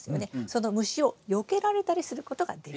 その虫をよけられたりすることができる。